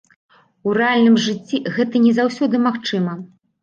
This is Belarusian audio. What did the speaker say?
У рэальным жыцці гэта не заўсёды магчыма.